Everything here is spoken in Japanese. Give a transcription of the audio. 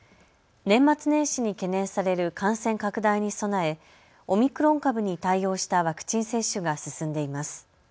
年末年始に懸念される感染拡大に備え、オミクロン株に対応したワクチン接種が進んでいます。